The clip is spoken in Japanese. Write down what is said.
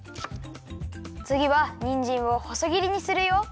つぎはにんじんをほそぎりにするよ。